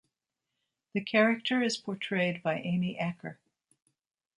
The character is portrayed by Amy Acker.